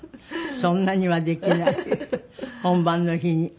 そんなにはできない本番の日に。